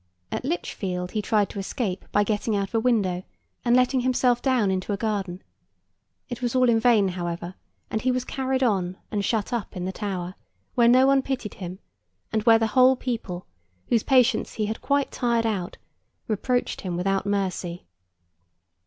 At Lichfield he tried to escape by getting out of a window and letting himself down into a garden; it was all in vain, however, and he was carried on and shut up in the Tower, where no one pitied him, and where the whole people, whose patience he had quite tired out, reproached him without mercy.